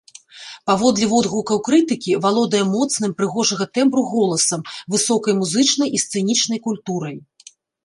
Паводле водгукаў крытыкі, валодае моцным, прыгожага тэмбру голасам, высокай музычнай і сцэнічнай культурай.